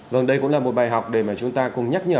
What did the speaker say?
vâng đây cũng là một bài học để mà chúng ta cùng nhắc nhở